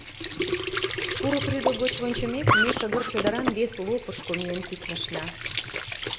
Курык рӱдӧ гоч вончымек, ме шыгыр чодыран вес лопышко миен тӱкнышна.